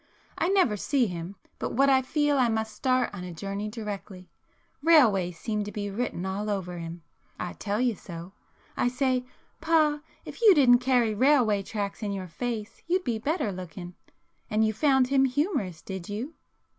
I never see him but what I feel I must start on a journey directly—railways seem to be written all over him. I tell him so. I say 'Pa, if you didn't carry railway tracks in your face you'd be better looking.' And you found him humorous, did you?"